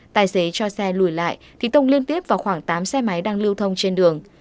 tài xế cho xe lùi lại thì tông liên tiếp vào khoảng tám xe máy đang lưu thông trên đường